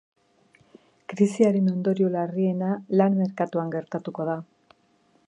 Krisiaren ondorio larriena lan-merkatuan gertatuko da.